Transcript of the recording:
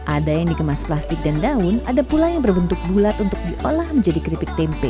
ada yang dikemas plastik dan daun ada pula yang berbentuk bulat untuk diolah menjadi keripik tempe